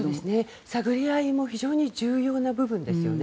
探り合いも非常に重要な部分ですよね。